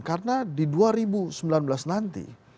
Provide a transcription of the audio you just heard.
karena di dua ribu sembilan belas nanti